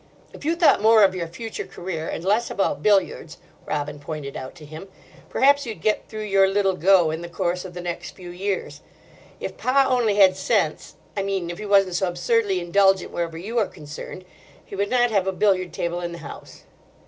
"If you thought more of your future career and less about billiards," Robin pointed out to him, "perhaps you'd get through your Little go in the course of the next few years. If Pa only had sense—I mean if he wasn't so absurdly indulgent wherever you are concerned, he would not have a billiard table in the house."